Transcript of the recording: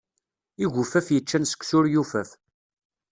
Igufaf yeččan seksu ur yufaf.